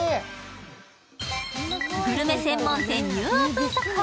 グルメ専門店ニューオープン速報。